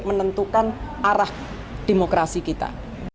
menentukan arah demokrasi kita